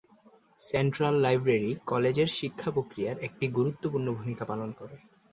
Central library কলেজের শিক্ষা প্রক্রিয়ার একটি গুরুত্বপূর্ণ ভূমিকা পালন করে।